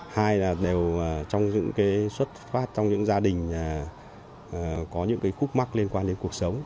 hai là đều trong xuất phát trong những gia đình có những khúc mắc liên quan đến cuộc sống